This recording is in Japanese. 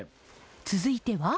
続いては。